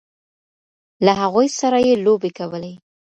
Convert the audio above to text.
له هغوی سره یې لوبې کولې.